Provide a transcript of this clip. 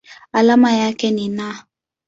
Alama yake ni Na.